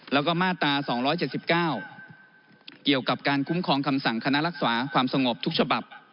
แล้วก็มาตรา๒๗๙เกี่ยวกับการคุ้มครองคำสั่งคณะรักษาความสงบทุกฉบับ